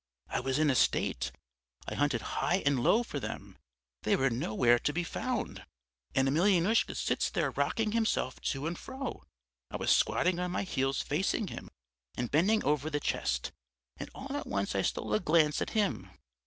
"I was in a state! I hunted high and low for them they were nowhere to be found. And Emelyanoushka sits there rocking himself to and fro. I was squatting on my heels facing him and bending over the chest, and all at once I stole a glance at him....